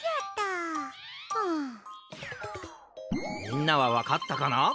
みんなはわかったかな？